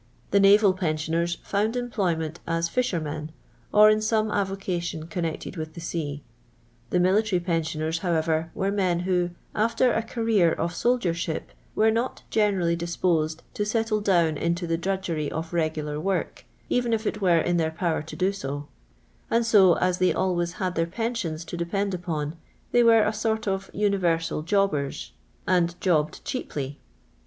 The naval pen sioners found employment as fishermen, or in some avocation connected with the sea. The militiry pensioners, however, were men who, after a career of soldiership, were not generally disposed to settle down into the drudgery of regular work, even if it were in their power to do so ; and so, as they always had their pensions to depend upon, they were a sort of universal jobbers, and jobbed cheaply.